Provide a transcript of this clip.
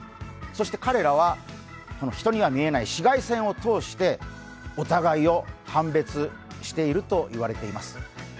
そして彼らは人には見えない紫外線を通してお互いを判別していると言われています。